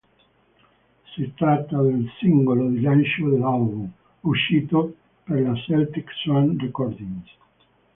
Si tratta del singolo di lancio dell'album, uscito per la Celtic Swan Recordings.